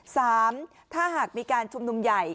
สามถ้าหากมีการชุมนุมใหญ่